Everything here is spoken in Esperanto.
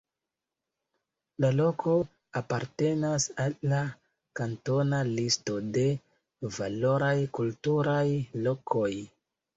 La loko apartenas al la kantona listo de valoraj kulturaj lokoj.